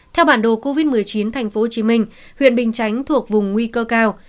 theo bản đồ covid một mươi chín tp hcm huyện bình chánh thuộc vùng nguy cơ cao